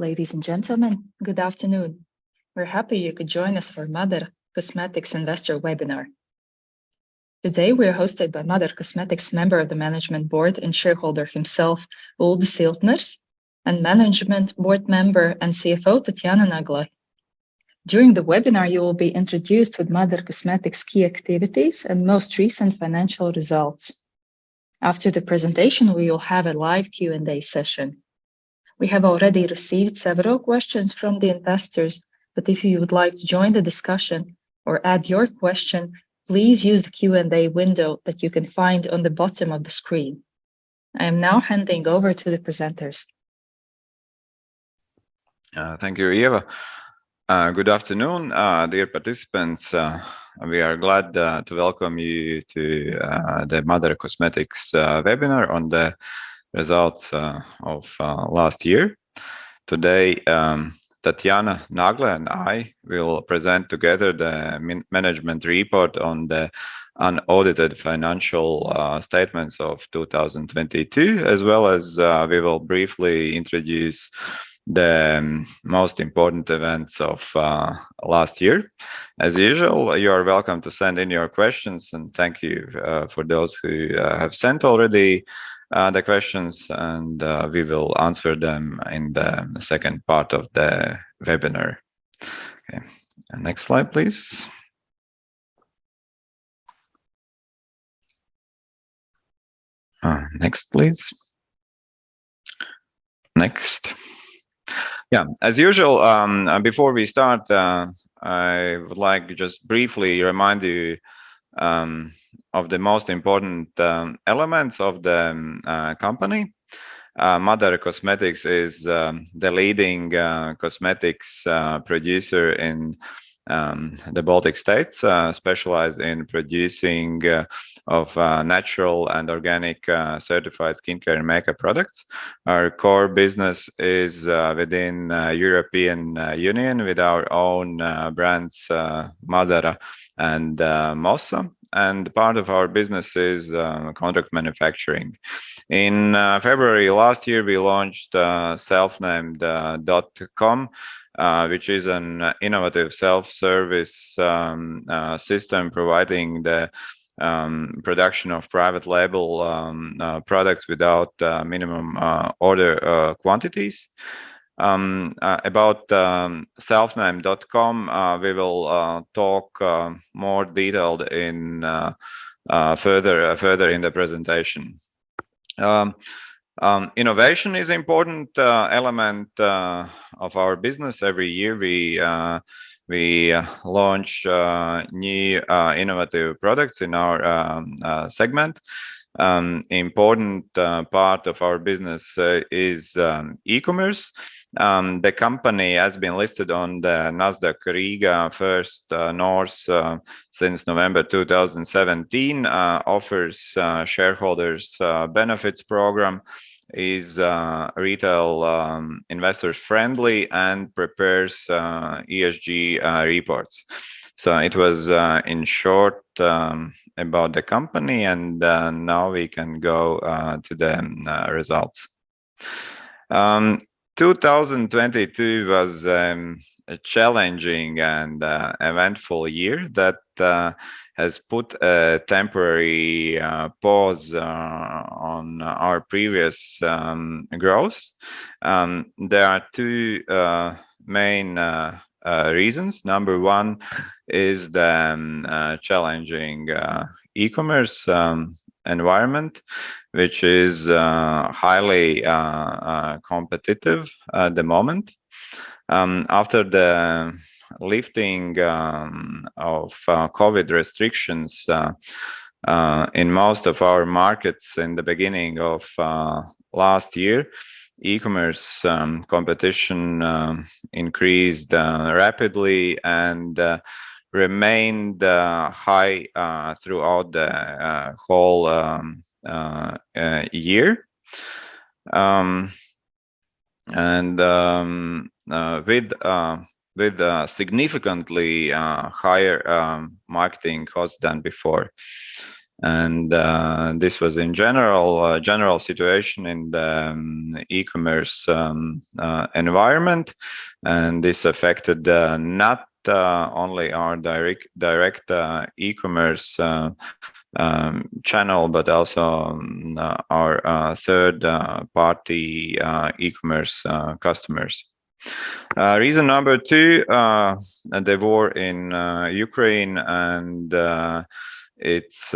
Ladies and gentlemen, good afternoon. We're happy you could join us for MÁDARA Cosmetics investor webinar. Today, we are hosted by MÁDARA Cosmetics Member of the Management Board and Shareholder himself, Uldis Iltners, and Management Board Member and CFO, Tatjana Nagle. During the webinar, you will be introduced with MÁDARA Cosmetics' key activities and most recent financial results. After the presentation, we will have a live Q&A session. We have already received several questions from the investors, but if you would like to join the discussion or add your question, please use the Q&A window that you can find on the bottom of the screen. I am now handing over to the presenters. Thank you, Eeva. Good afternoon, dear participants. We are glad to welcome you to the MÁDARA Cosmetics webinar on the results of last year. Today, Tatjana Nagle and I will present together the management report on the unaudited financial statements of 2022, as well as we will briefly introduce the most important events of last year. As usual, you are welcome to send in your questions, and thank you for those who have sent already their questions, and we will answer them in the second part of the webinar. Okay. Next slide, please. Next, please. Next. Yeah. As usual, before we start, I would like to just briefly remind you of the most important elements of the company. MÁDARA Cosmetics is the leading cosmetics producer in the Baltic States, specialized in producing of natural and organic certified skincare and makeup products. Our core business is within European Union with our own brands, MÁDARA and Mossa, and part of our business is contract manufacturing. In February last year, we launched selfnamed.com, which is an innovative self-service system providing the production of private label products without minimum order quantities. About selfnamed.com, we will talk more detailed further in the presentation. Innovation is important element of our business. Every year, we launch new innovative products in our segment. Important part of our business is e-commerce. The company has been listed on the Nasdaq Riga First North since November 2017, offers shareholders benefits program, is retail investors friendly, and prepares ESG reports. It was in short about the company, and now we can go to the results. 2022 was a challenging and eventful year that has put a temporary pause on our previous growth. There are two main reasons. Number one is the challenging e-commerce environment, which is highly competitive at the moment. After the lifting of COVID restrictions in most of our markets in the beginning of last year, e-commerce competition increased rapidly and remained high throughout the whole year, and with significantly higher marketing costs than before. This was the general situation in the e-commerce environment, and this affected not only our direct e-commerce channel, but also our third-party e-commerce customers. Reason number two, the war in Ukraine and its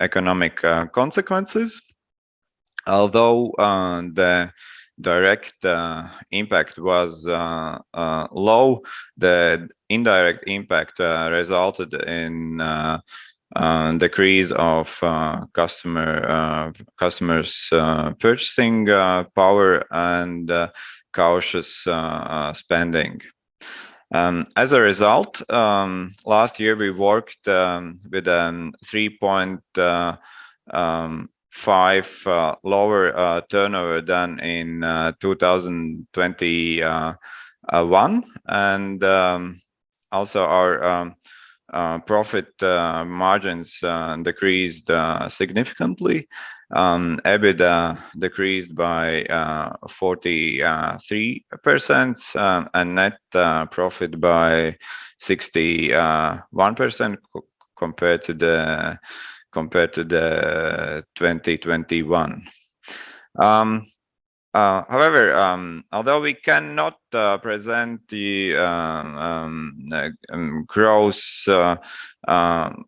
economic consequences. Although the direct impact was low, the indirect impact resulted in a decrease of customers' purchasing power and cautious spending. As a result, last year, we worked with a 3.5% lower turnover than in 2021 and also, our profit margins decreased significantly. EBITDA decreased by 43% and net profit by 61% compared to 2021. However, although we cannot present the gross of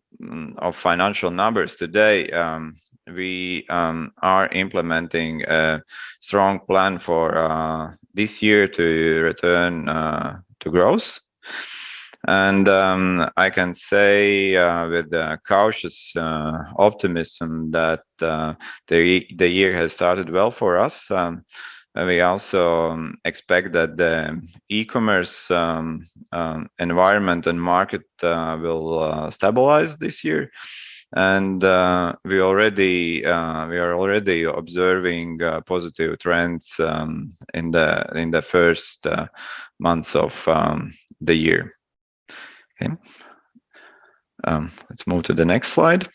financial numbers today, we are implementing a strong plan for this year to return to growth. I can say with cautious optimism that the year has started well for us. We also expect that the e-commerce environment and market will stabilize this year. We are already observing positive trends in the first months of the year. Okay. Let's move to the next slide.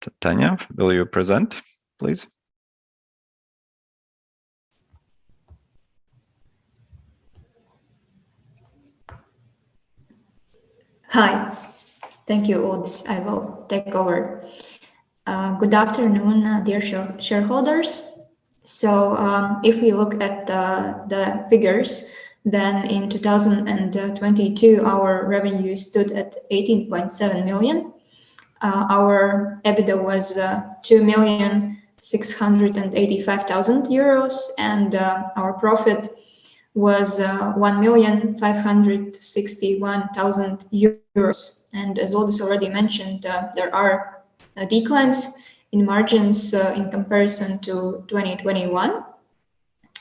Tatjana, will you present, please? Hi. Thank you, Uldis. I will take over. Good afternoon, dear shareholders. If we look at the figures, then in 2022, our revenue stood at 18.7 million. Our EBITDA was 2.685 million, and our profit was 1.561 million. As Uldis already mentioned, there are declines in margins in comparison to 2021.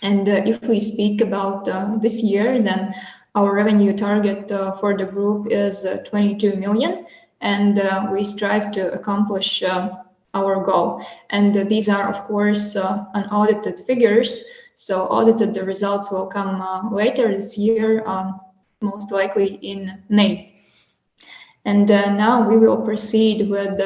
If we speak about this year, then our revenue target for the group is 22 million, and we strive to accomplish our goal. These are, of course, unaudited figures. Audited results will come out later this year, most likely in May. Now we will proceed with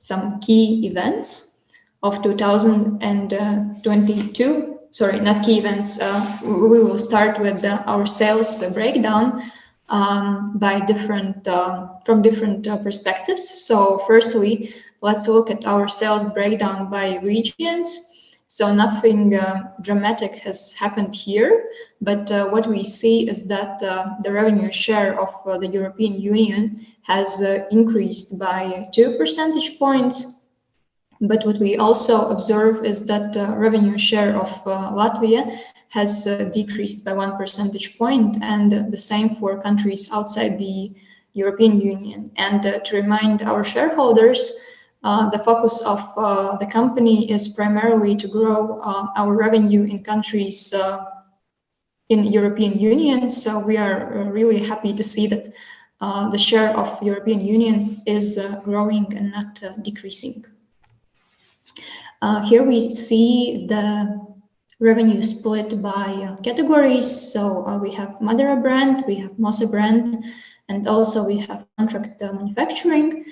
some key events of 2022. Sorry, not key events. We will start with our sales breakdown from different perspectives. Firstly, let's look at our sales breakdown by regions. Nothing dramatic has happened here, but what we see is that the revenue share of the European Union has increased by 2 percentage points. What we also observe is that the revenue share of Latvia has decreased by 1 percentage point, and the same for countries outside the European Union. To remind our shareholders, the focus of the company is primarily to grow our revenue in countries in the European Union, so we are really happy to see that the share of European Union is growing and not decreasing. Here we see the revenue split by categories. We have MÁDARA brand, we have Mossa brand, and also we have contract manufacturing.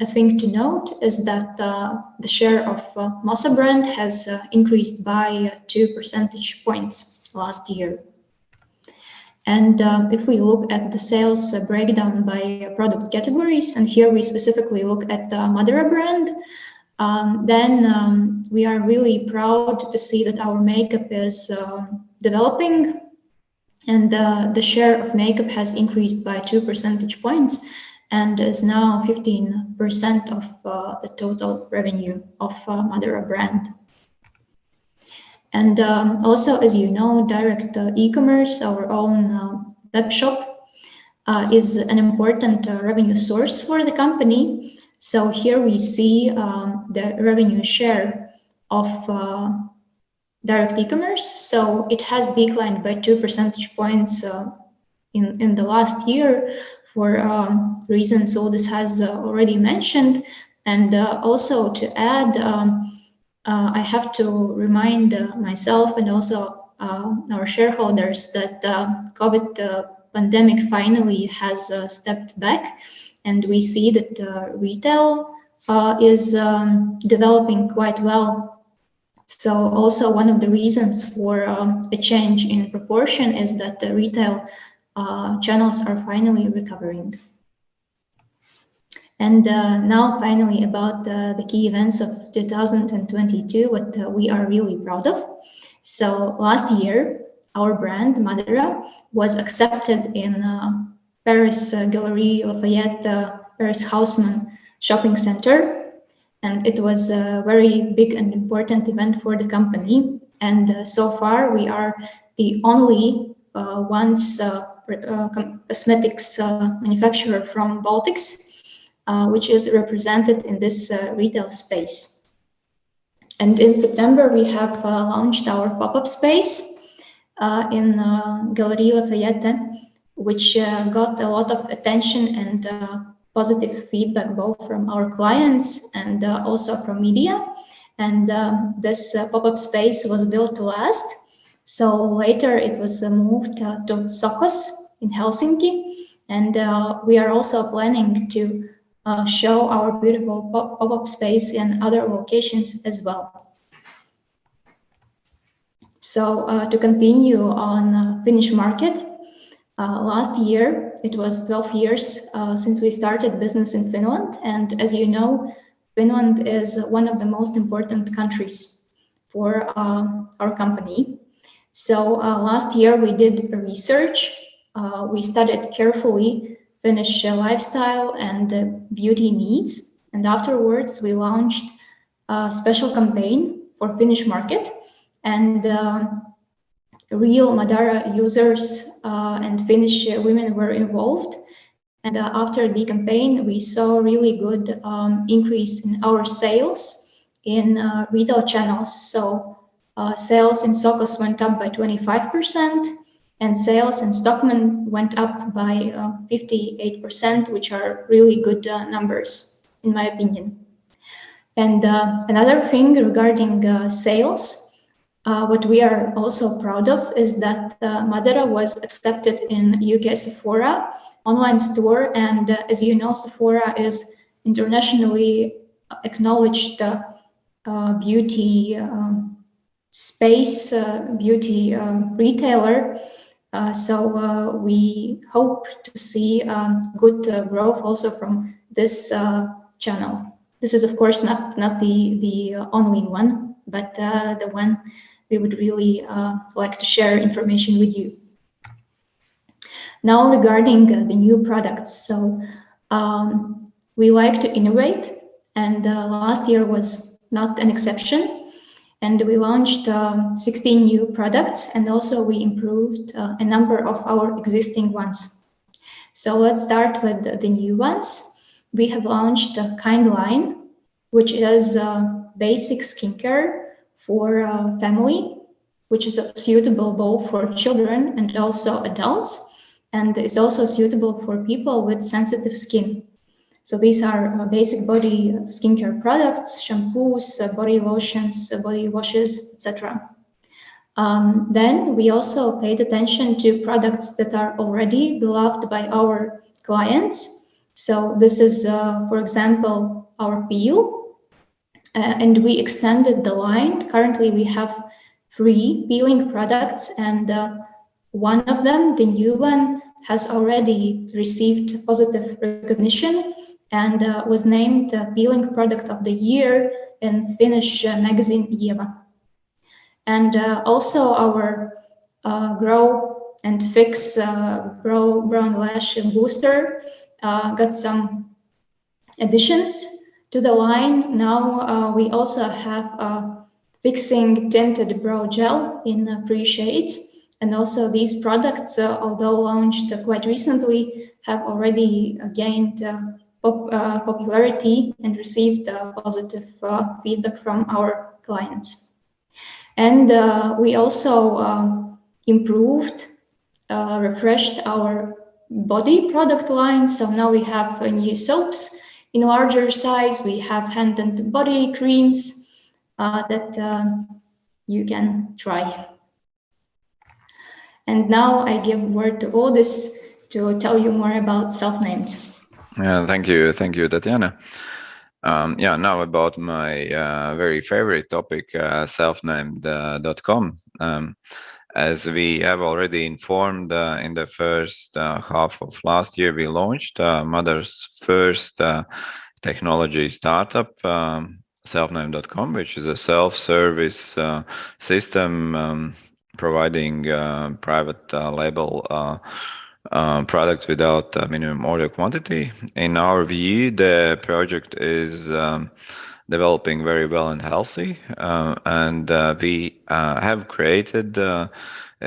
A thing to note is that the share of Mossa brand has increased by 2 percentage points last year. If we look at the sales breakdown by product categories, and here we specifically look at MÁDARA brand, then we are really proud to see that our makeup is developing and the share of makeup has increased by 2 percentage points and is now 15% of the total revenue of MÁDARA brand. Also, as you know, direct e-commerce, our own web shop, is an important revenue source for the company. Here we see the revenue share of direct e-commerce. It has declined by 2 percentage points in the last year for reasons Uldis has already mentioned. Also to add, I have to remind myself and also our shareholders that the COVID pandemic finally has stepped back, and we see that retail is developing quite well. Also one of the reasons for a change in proportion is that the retail channels are finally recovering. Now finally, about the key events of 2022, what we are really proud of. Last year, our brand, MÁDARA, was accepted in Paris Galeries Lafayette, Paris Haussmann shopping center, and it was a very big and important event for the company. So far, we are the only cosmetics manufacturer from Baltics which is represented in this retail space. In September, we have launched our pop-up space in Galeries Lafayette, which got a lot of attention and positive feedback, both from our clients and also from media. This pop-up space was built to last. Later it was moved to Sokos in Helsinki, and we are also planning to show our beautiful pop-up space in other locations as well. To continue on Finnish market, last year it was 12 years since we started business in Finland, and as you know, Finland is one of the most important countries for our company. Last year we did research. We studied carefully Finnish lifestyle and beauty needs, and afterwards we launched a special campaign for Finnish market and real MÁDARA users and Finnish women were involved. After the campaign, we saw a really good increase in our sales in retail channels. Sales in Sokos went up by 25% and sales in Stockmann went up by 58%, which are really good numbers in my opinion. Another thing regarding sales, what we are also proud of is that MÁDARA was accepted in U.K. Sephora online store. As you know, Sephora is internationally acknowledged beauty space, beauty retailer. We hope to see good growth also from this channel. This is of course not the only one, but the one we would really like to share information with you. Now regarding the new products. We like to innovate and last year was not an exception. We launched 16 new products and also we improved a number of our existing ones. Let's start with the new ones. We have launched the KIND line, which is basic skincare for family, which is suitable both for children and also adults, and is also suitable for people with sensitive skin. These are basic body skincare products, shampoos, body lotions, body washes, et cetera. We also paid attention to products that are already beloved by our clients. This is, for example, our peel, and we extended the line. Currently we have three peeling products and one of them, the new one, has already received positive recognition and was named Peeling Product of the Year in Finnish magazine, Eeva. Also our GROW & FIX Brow and Lash Booster got some additions to the line. Now we also have a fixing tinted brow gel in three shades. Also these products, although launched quite recently, have already gained popularity and received positive feedback from our clients. We also improved, refreshed our body product line. Now we have new soaps in larger size. We have hand and body creams that you can try. Now I give word to Uldis to tell you more about Selfnamed. Thank you, Tatjana. Yeah, now about my very favorite topic, selfnamed.com. As we have already informed, in the first half of last year, we launched MÁDARA's first technology startup, selfnamed.com, which is a self-service system providing private label products without minimum order quantity. In our view, the project is developing very well and healthy. We have created a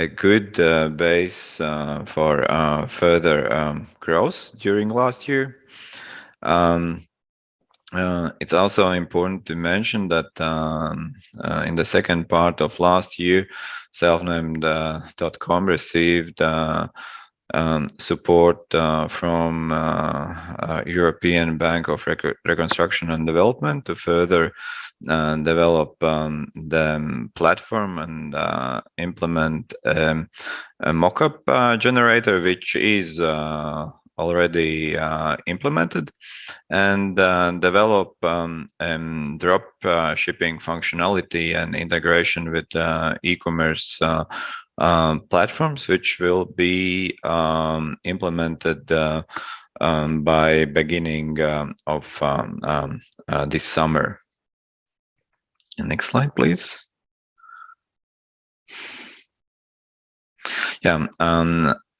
good base for further growth during last year. It's also important to mention that in the second part of last year, selfnamed.com received support from European Bank for Reconstruction and Development to further develop the platform and implement a mock-up generator, which is already implemented, and develop drop shipping functionality and integration with e-commerce platforms, which will be implemented by beginning of this summer. Next slide, please. Yeah.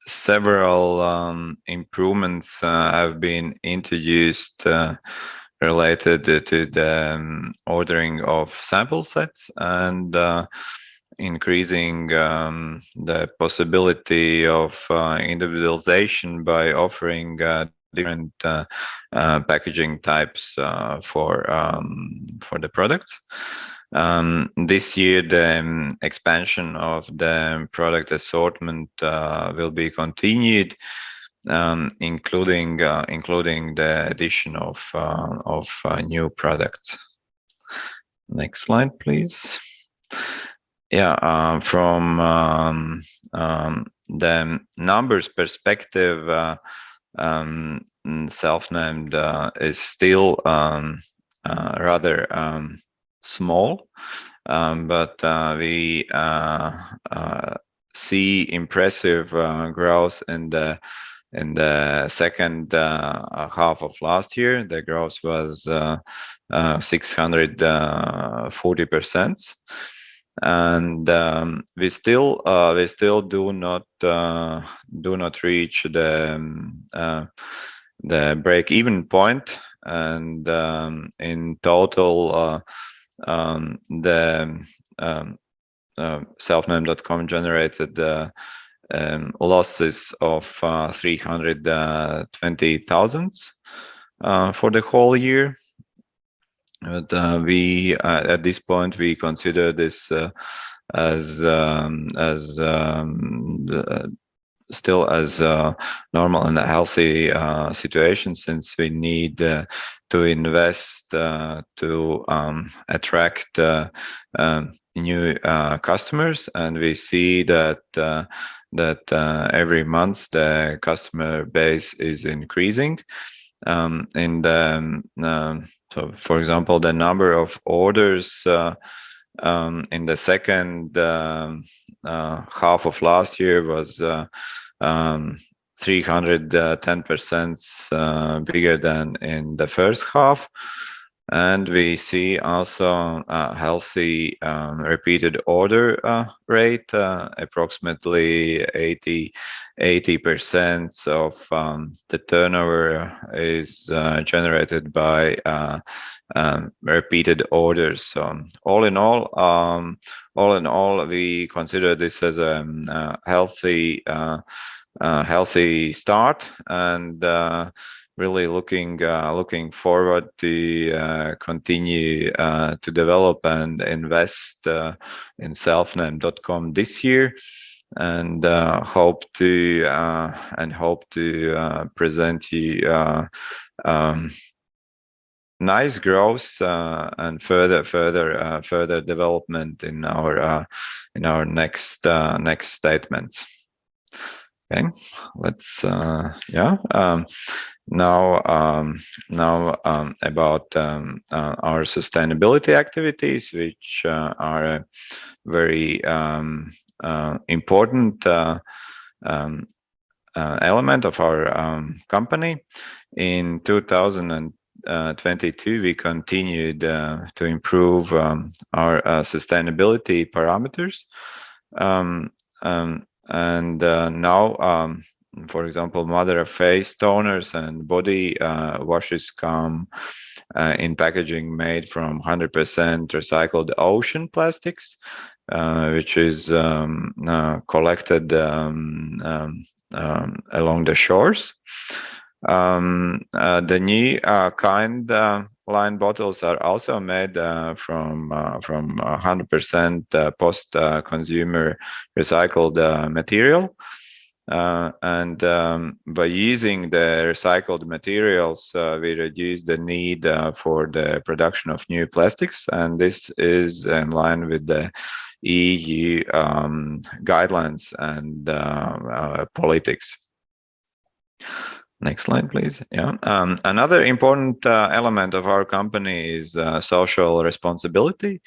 Several improvements have been introduced related to the ordering of sample sets and increasing the possibility of individualization by offering different packaging types for the products. This year, the expansion of the product assortment will be continued, including the addition of new products. Next slide, please. Yeah. From the numbers perspective, selfnamed.com is still rather small. We see impressive growth in the second half of last year. The growth was 640%. We still do not reach the break-even point. In total, selfnamed.com generated losses of EUR 320,000 for the whole year. At this point, we consider this still as a normal and a healthy situation since we need to invest to attract new customers. We see that every month, the customer base is increasing. For example, the number of orders in the second half of last year was 310% bigger than in the first half. We see also a healthy repeated order rate. Approximately 80% of the turnover is generated by repeated orders. All in all, we consider this as a healthy start and really looking forward to continue to develop and invest in selfnamed.com this year and hope to present you nice growth and further development in our next statements. Okay. Yeah. Now about our sustainability activities, which are a very important element of our company. In 2022, we continued to improve our sustainability parameters. Now, for example, MÁDARA face toners and body washes come in packaging made from 100% recycled ocean plastics, which is collected along the shores. The new KIND line bottles are also made from 100% post-consumer recycled material. By using the recycled materials, we reduce the need for the production of new plastics, and this is in line with the EU guidelines and policies. Next slide, please. Yeah. Another important element of our company is social responsibility.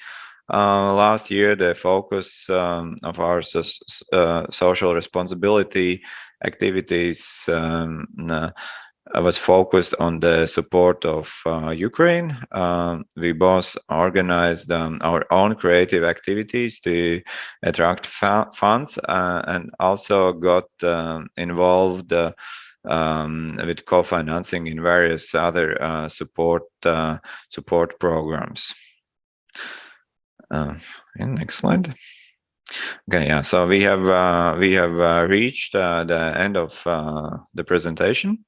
Last year, the focus of our social responsibility activities was focused on the support of Ukraine. We both organized our own creative activities to attract funds and also got involved with co-financing in various other support programs. Yeah, next slide. Okay. Yeah. We have reached the end of the presentation.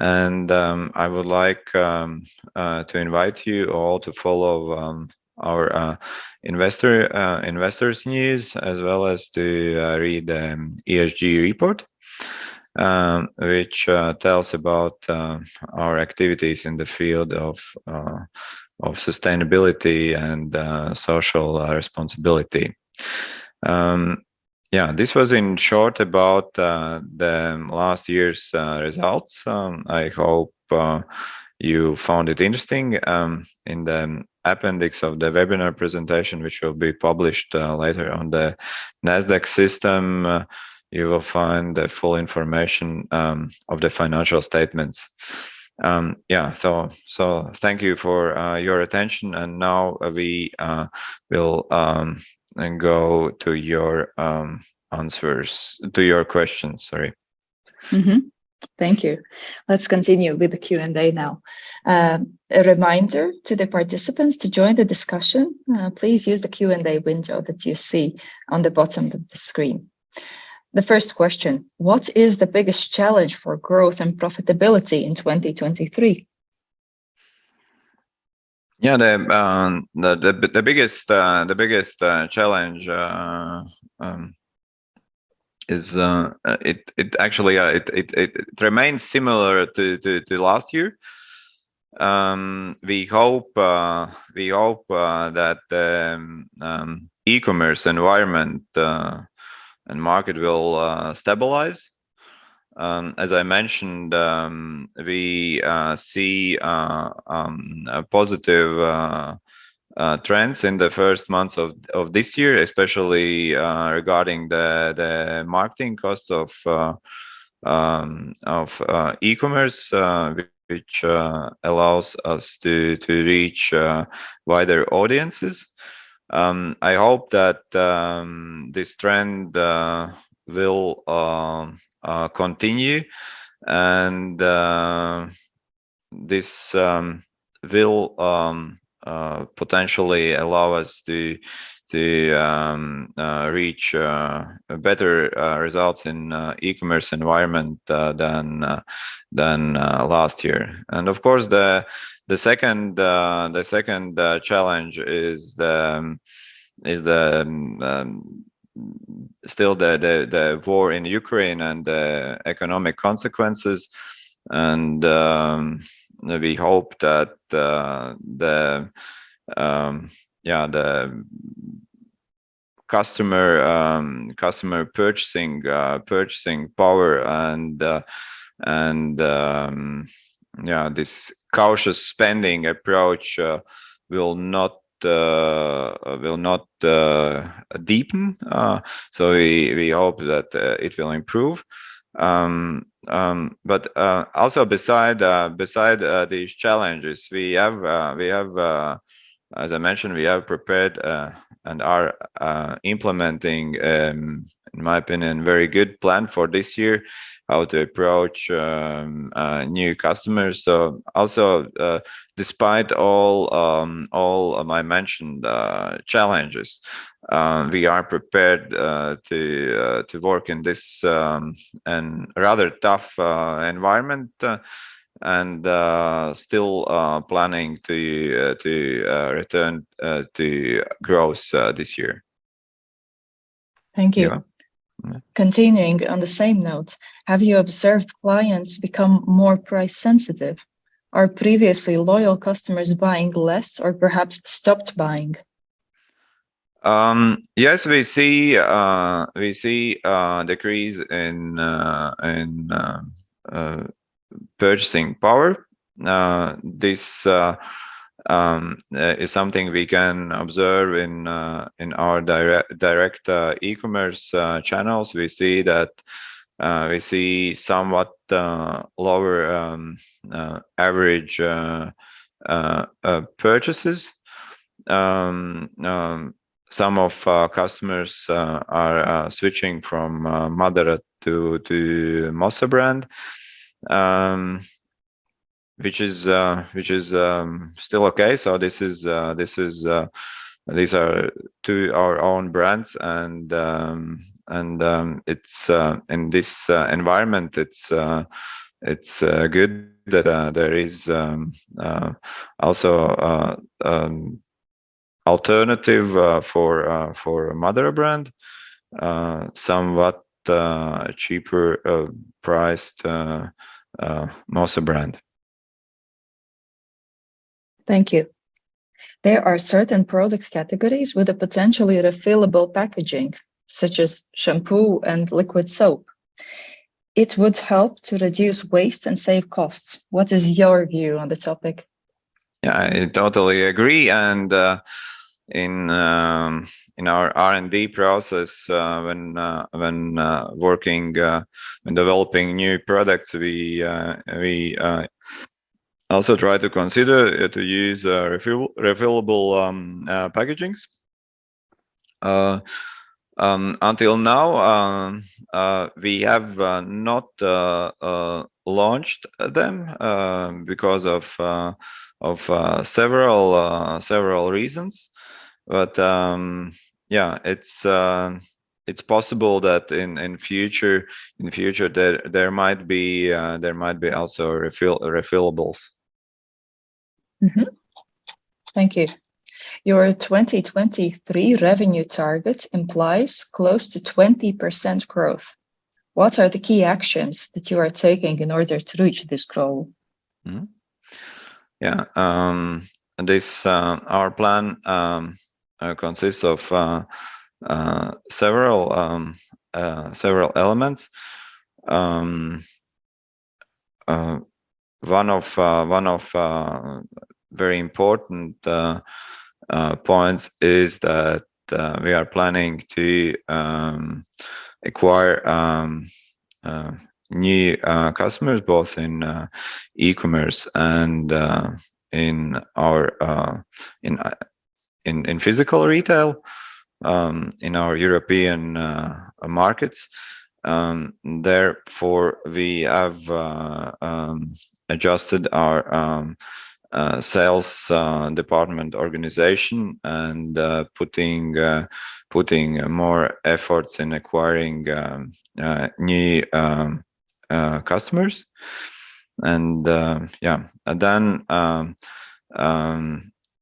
I would like to invite you all to follow our Investors' news as well as to read the ESG report, which tells about our activities in the field of sustainability and social responsibility. Yeah, this was in short about the last year's results. I hope you found it interesting. In the appendix of the webinar presentation, which will be published later on the Nasdaq system, you will find the full information of the financial statements. Yeah. Thank you for your attention. Now we will go to your answers, to your questions, sorry. Thank you. Let's continue with the Q&A now. A reminder to the participants to join the discussion, please use the Q&A window that you see on the bottom of the screen. The first question, what is the biggest challenge for growth and profitability in 2023? Yeah. The biggest challenge actually remains similar to last year. We hope that the e-commerce environment and market will stabilize. As I mentioned, we see positive trends in the first months of this year, especially regarding the marketing costs of e-commerce, which allows us to reach wider audiences. I hope that this trend will continue, and this will potentially allow us to reach better results in e-commerce environment than last year. Of course, the second challenge is still the war in Ukraine and the economic consequences. We hope that the customer purchasing power and this cautious spending approach will not deepen. We hope that it will improve. Also besides these challenges, as I mentioned, we have prepared and are implementing, in my opinion, very good plan for this year how to approach new customers. Also, despite all I mentioned challenges, we are prepared to work in this rather tough environment and still planning to return to growth this year. Thank you. Yeah. Continuing on the same note, have you observed clients become more price-sensitive? Are previously loyal customers buying less or perhaps stopped buying? Yes, we see decrease in purchasing power. This is something we can observe in our direct e-commerce channels. We see somewhat lower average purchases. Some of our customers are switching from MÁDARA to Mossa brand, which is still okay. These are two, our own brands, and in this environment, it's good that there is also alternative for MÁDARA brand, somewhat cheaper priced Mossa brand. Thank you. There are certain product categories with a potentially refillable packaging, such as shampoo and liquid soap. It would help to reduce waste and save costs. What is your view on the topic? Yeah, I totally agree. In our R&D process, when working on developing new products, we also try to consider to use refillable packagings. Until now, we have not launched them because of several reasons. Yeah, it's possible that in future there might be also refillables. Thank you. Your 2023 revenue target implies close to 20% growth. What are the key actions that you are taking in order to reach this goal? Our plan consists of several elements. One of very important points is that we are planning to acquire new customers, both in e-commerce and in physical retail, in our European markets. Therefore, we have adjusted our sales department organization and putting more efforts in acquiring new customers.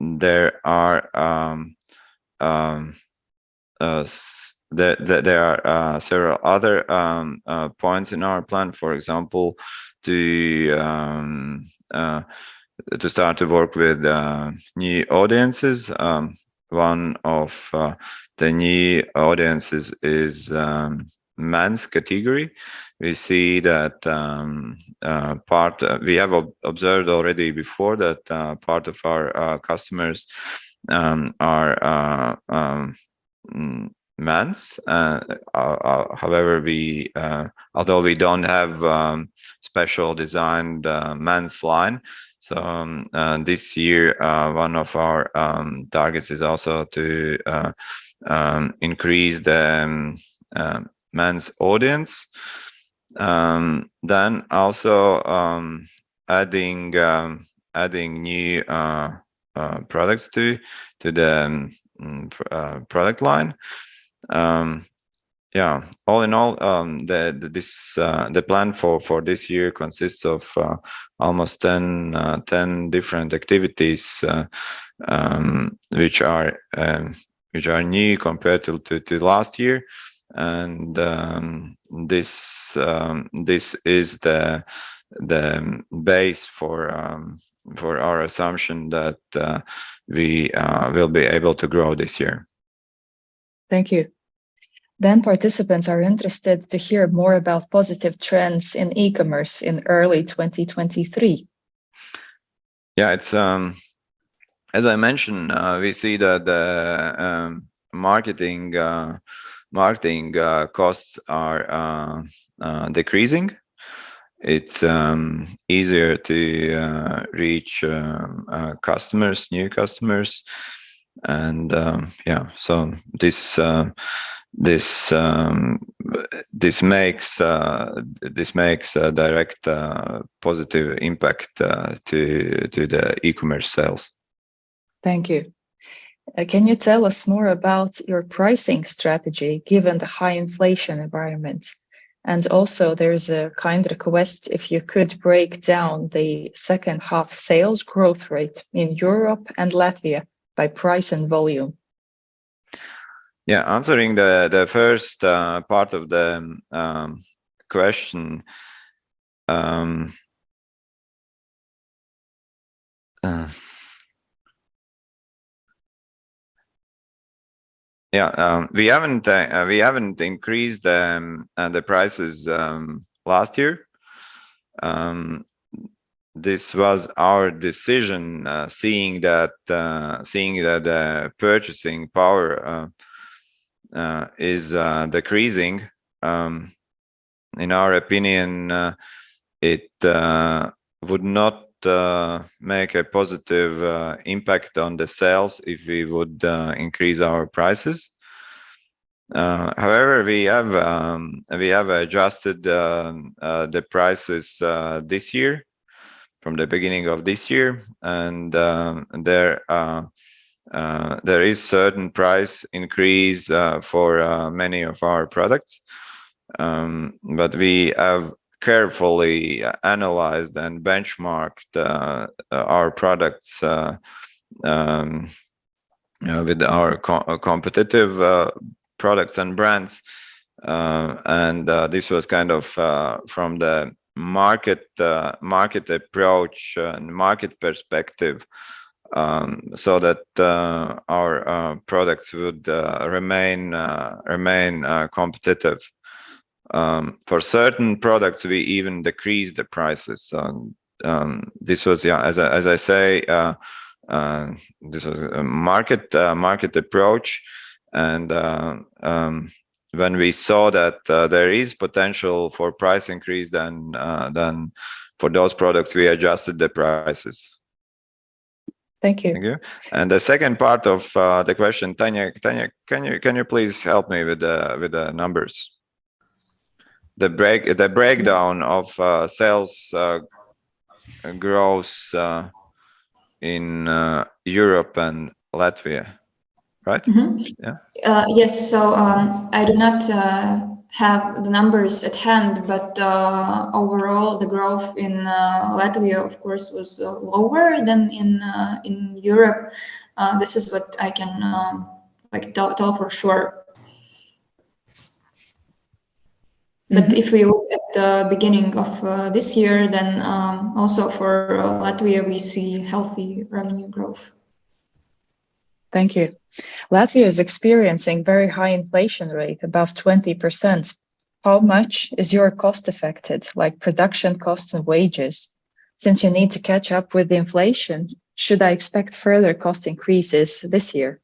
There are several other points in our plan, for example, to start to work with new audiences. One of the new audiences is men's category. We have observed already before that part of our customers are men. Although we don't have special designed men's line, so this year, one of our targets is also to increase the men's audience. Adding new products to the product line. All in all, the plan for this year consists of almost 10 different activities, which are new compared to last year. This is the base for our assumption that we will be able to grow this year. Thank you. Participants are interested to hear more about positive trends in e-commerce in early 2023. Yeah. As I mentioned, we see that the marketing costs are decreasing. It's easier to reach new customers and yeah. This makes a direct positive impact to the e-commerce sales. Thank you. Can you tell us more about your pricing strategy, given the high inflation environment? There is a kind request if you could break down the second half sales growth rate in Europe and Latvia by price and volume? Yeah. Answering the first part of the question. Yeah, we haven't increased the prices last year. This was our decision, seeing that purchasing power is decreasing. In our opinion, it would not make a positive impact on the sales if we would increase our prices. However, we have adjusted the prices this year from the beginning of this year, and there is certain price increase for many of our products. We have carefully analyzed and benchmarked our products with our competitive products and brands. This was kind of from the market approach and market perspective, so that our products would remain competitive. For certain products, we even decreased the prices. As I say, this was a market approach and when we saw that there is potential for price increase, then for those products, we adjusted the prices. Thank you. Thank you. The second part of the question, Tatjana, can you please help me with the numbers? The break. Yes. The breakdown of sales growth in Europe and Latvia, right? Mm-hmm. Yeah. Yes. I do not have the numbers at hand, but overall, the growth in Latvia, of course, was lower than in Europe. This is what I can tell for sure. If we look at the beginning of this year, then also for Latvia, we see healthy revenue growth. Thank you. Latvia is experiencing very high inflation rate, above 20%. How much is your cost affected, like production costs and wages? Since you need to catch up with the inflation, should I expect further cost increases this year?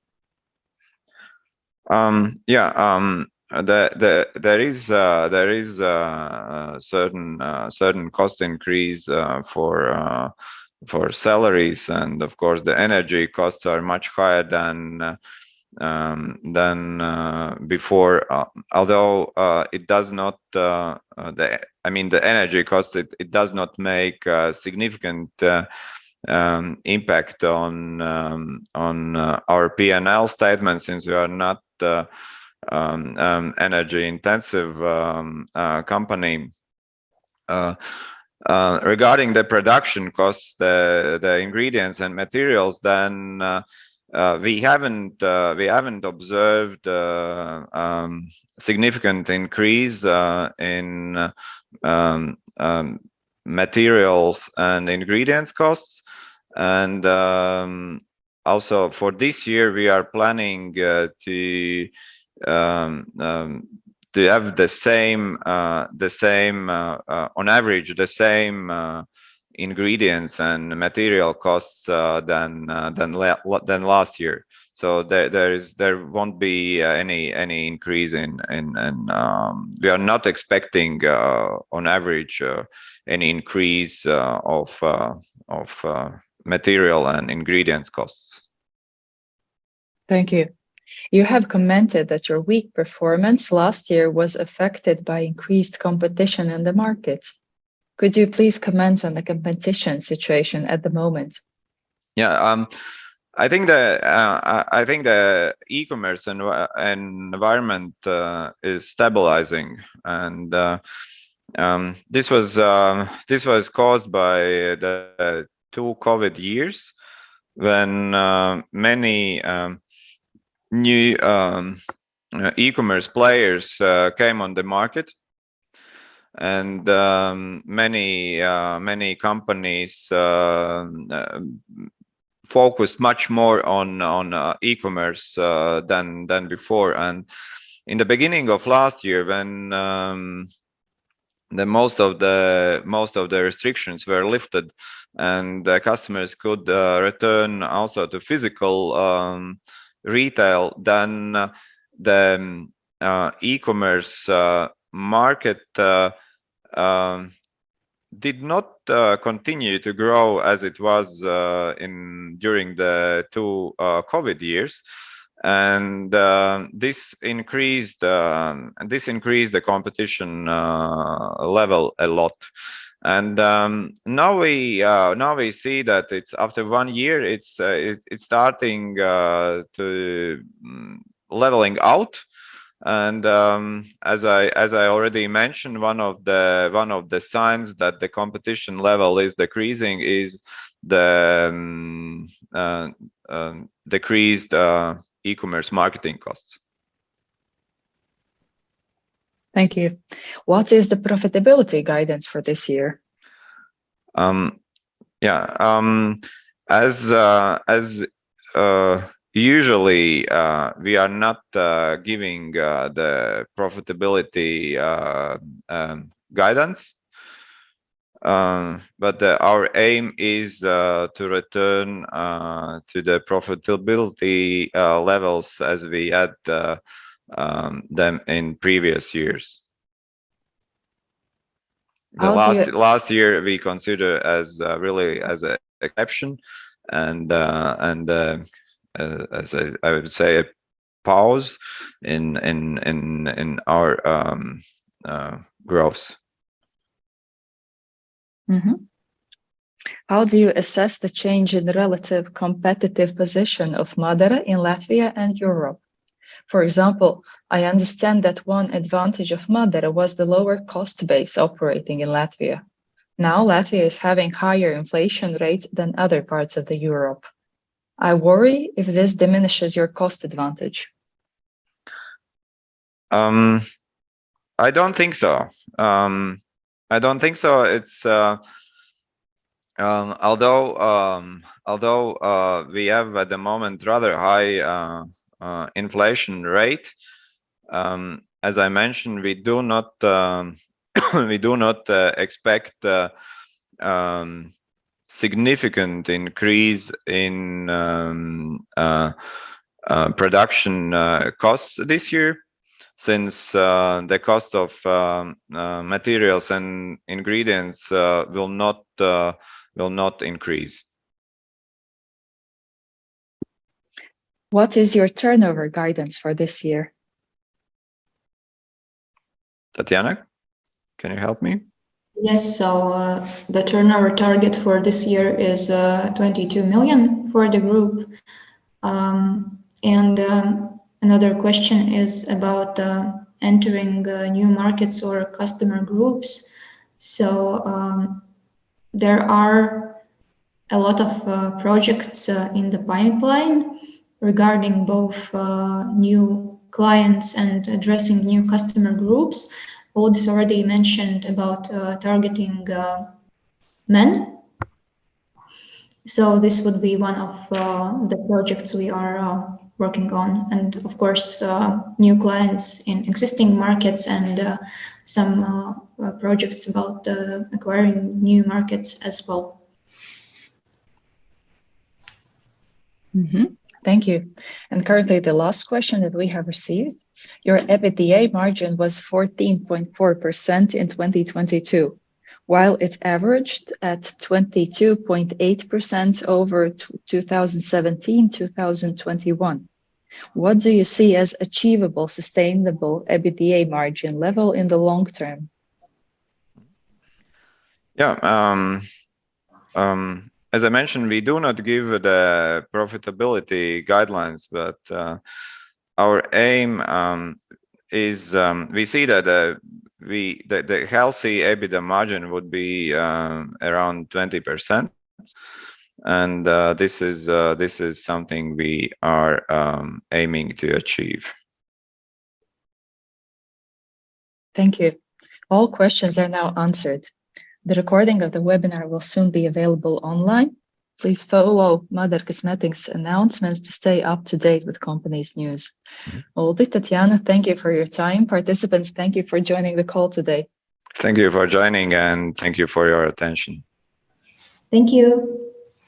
Yeah. There is certain cost increase for salaries and of course the energy costs are much higher than before. Although it does not, I mean, the energy cost, it does not make a significant impact on our P&L statement since we are not energy-intensive company. Regarding the production cost, the ingredients and materials, then we haven't observed a significant increase in materials and ingredients costs. For this year, we are planning to have on average, the same ingredients and material costs than last year. There won't be any increase, and we are not expecting, on average, an increase of material and ingredients costs. Thank you. You have commented that your weak performance last year was affected by increased competition in the market. Could you please comment on the competition situation at the moment? Yeah. I think the e-commerce environment is stabilizing, and this was caused by the two COVID years when many new e-commerce players came on the market and many companies focused much more on e-commerce than before. In the beginning of last year, when most of the restrictions were lifted and the customers could return also to physical retail, then e-commerce market did not continue to grow as it was during the two COVID years. This increased the competition level a lot. Now we see that after one year, it's starting to leveling out and as I already mentioned, one of the signs that the competition level is decreasing is the decreased e-commerce marketing costs. Thank you. What is the profitability guidance for this year? Yeah. As usual, we are not giving the profitability guidance, but our aim is to return to the profitability levels as we had them in previous years. How do you. Last year, we consider really as exception and as I would say, a pause in our growth. How do you assess the change in the relative competitive position of MÁDARA in Latvia and Europe? For example, I understand that one advantage of MÁDARA was the lower cost base operating in Latvia. Now, Latvia is having higher inflation rates than other parts of Europe. I worry if this diminishes your cost advantage. I don't think so. Although we have, at the moment, rather high inflation rate, as I mentioned, we do not expect a significant increase in production costs this year since the cost of materials and ingredients will not increase. What is your turnover guidance for this year? Tatjana, can you help me? Yes. The turnover target for this year is 22 million for the group. Another question is about entering new markets or customer groups. There are a lot of projects in the pipeline regarding both new clients and addressing new customer groups. Uldis already mentioned about targeting men. This would be one of the projects we are working on, and of course, new clients in existing markets and some projects about acquiring new markets as well. Thank you. Currently, the last question that we have received, your EBITDA margin was 14.4% in 2022, while it averaged at 22.8% over 2017, 2021. What do you see as achievable, sustainable EBITDA margin level in the long term? Yeah. As I mentioned, we do not give the profitability guidelines, but our aim is we see that the healthy EBITDA margin would be around 20%, and this is something we are aiming to achieve. Thank you. All questions are now answered. The recording of the webinar will soon be available online. Please follow MÁDARA Cosmetics announcements to stay up-to-date with company's news. Uldis, Tatjana, thank you for your time. Participants, thank you for joining the call today. Thank you for joining, and thank you for your attention. Thank you.